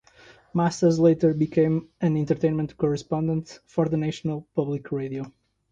Masters later became an entertainment correspondent for National Public Radio.